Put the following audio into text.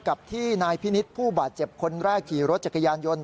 กับที่นายพินิษฐ์ผู้บาดเจ็บคนแรกขี่รถจักรยานยนต์